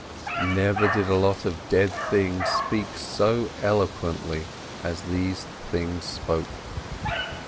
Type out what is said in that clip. Never did a lot of dead things speak so eloquently as these things spoke.